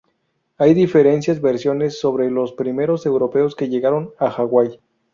Hay diferentes versiones sobre los primeros europeos que llegaron a Hawái.